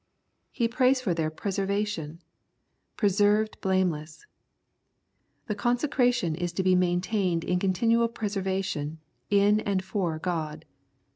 He prays for their preservation —" Pre served blameless." The consecration is to be maintained in continual preservation, in and for God.